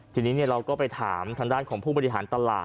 ทีนี้เราก็ไปถามทางด้านของผู้บริหารตลาด